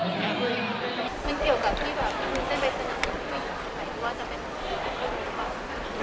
มันเกี่ยวกับที่แบบที่เจนไปสนับกลับไปว่าจะเป็น